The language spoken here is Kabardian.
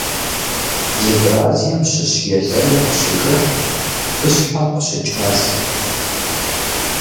Евразием щыщ елэным къыщежыхь бгыщхьэм къыщыкӀ мэзым.